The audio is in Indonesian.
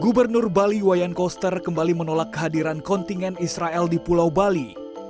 gubernur bali wayan koster kembali menolak kehadiran kontingen israel di pulau bali